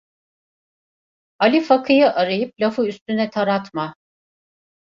Ali Fakı’yı arayıp lafı üstüne taratma!